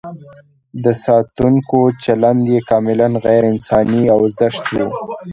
د ساتونکو چلند یې کاملاً غیر انساني او زشت و.